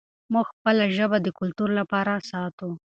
موږ خپله ژبه د کلتور لپاره ساتو.